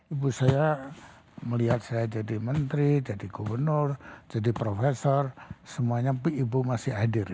ibu saya melihat saya jadi menteri jadi gubernur jadi profesor semuanya ibu masih hadir